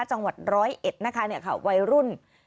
จังหวัดร้อยเอ็ดนะคะเนี่ยค่ะวัยรุ่น